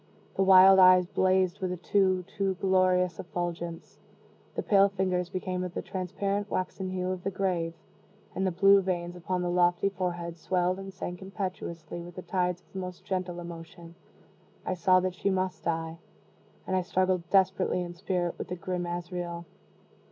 The wild eyes blazed with a too too glorious effulgence; the pale fingers became of the transparent waxen hue of the grave; and the blue veins upon the lofty forehead swelled and sank impetuously with the tides of the most gentle emotion. I saw that she must die and I struggled desperately in spirit with the grim Azrael.